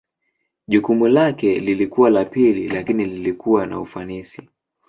Jukumu lake lilikuwa la pili lakini lilikuwa na ufanisi.